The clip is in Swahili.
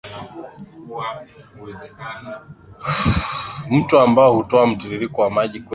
mto ambao hutoa mtiririko wa maji kwenye